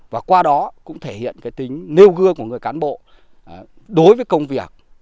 và qua đó cũng thể hiện cái tính nêu gương của người cán bộ đối với công việc